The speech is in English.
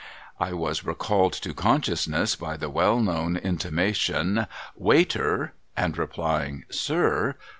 I was recalled to conscious ness by the well known intimation, ' Waiter !' and replying, ' Sir